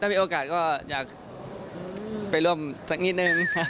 มีโอกาสก็อยากไปร่วมสักนิดนึง